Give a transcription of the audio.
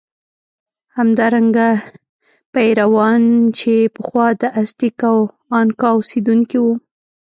همدارنګه پیرویان چې پخوا د ازتېک او انکا اوسېدونکي وو.